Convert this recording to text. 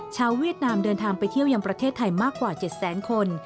เวียดนามเดินทางไปเที่ยวยังประเทศไทยมากกว่า๗แสนคน